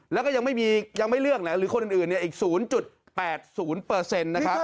แล้วก็ยังไม่เลือกหรือคนอื่นเนี่ยอีก๐๘๐เปอร์เซ็นต์นะฮะ